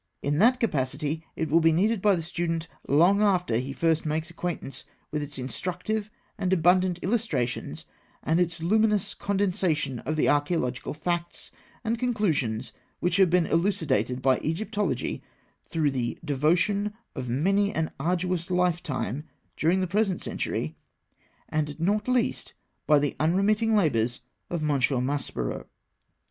In that capacity it will be needed by the student long after he first makes acquaintance with its instructive and abundant illustrations and its luminous condensation of the archaeological facts and conclusions which have been elucidated by Egyptology through the devotion of many an arduous lifetime during the present century, and, not least, by the unremitting labours of M. Maspero.